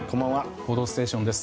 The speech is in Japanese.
「報道ステーション」です。